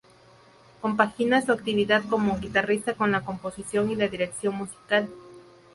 Compagina su actividad como guitarrista con la composición y la dirección musical.